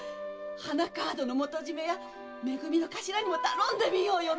花川戸の元締やめ組の頭にも頼んでみようよ！